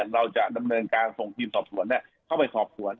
เราจะดำเนินการส่งทีมสอบสวนเข้าไปสอบสวน